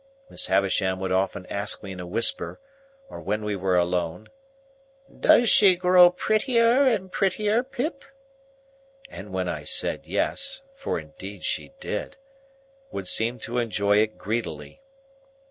Miss Havisham would often ask me in a whisper, or when we were alone, "Does she grow prettier and prettier, Pip?" And when I said yes (for indeed she did), would seem to enjoy it greedily.